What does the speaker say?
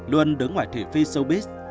luôn đứng ngoài thị phi showbiz